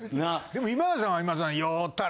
でも今田さんは。